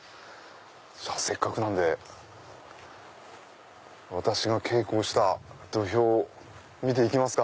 じゃあせっかくなんで私が稽古をした土俵見ていきますか。